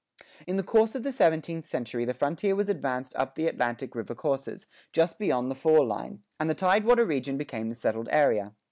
In the course of the seventeenth century the frontier was advanced up the Atlantic river courses, just beyond the "fall line," and the tidewater region became the settled area.